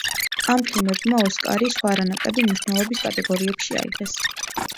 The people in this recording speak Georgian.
ამ ფილმებმა „ოსკარი“ სხვა, არანაკლები მნიშვნელობის კატეგორიებში აიღეს.